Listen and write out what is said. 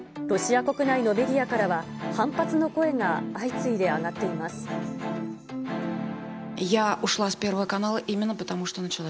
ロシア国内のメディアからは、反発の声が相次いで上がっています。